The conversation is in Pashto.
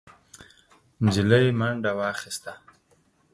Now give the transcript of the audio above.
نجلۍ منډه واخيسته،